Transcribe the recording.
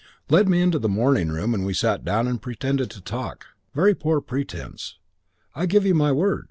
"Led me into the morning room and we sat down and pretended to talk. Very poor pretence, I give you my word.